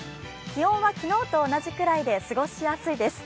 気温は昨日と同じくらいで過ごしやすいです。